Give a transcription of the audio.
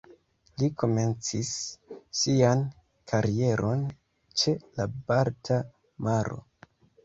Li komencis sian karieron ĉe la Balta Maro.